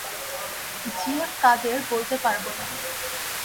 জি M Quader বলতে পারব না।